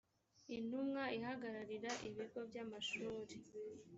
intumwa ihagararira ibigo by’ amashuri.